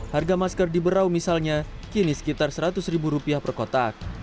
harga masker di berau misalnya kini sekitar seratus ribu rupiah per kotak